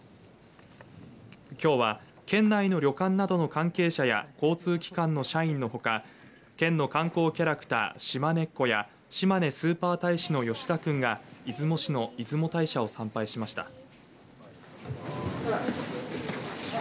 きょうは県内の旅館などの関係者や交通機関の社員のほか県の観光キャラクターしまねっこや島根スーパー大使の吉田くんが出雲市の出雲大社を参拝しました。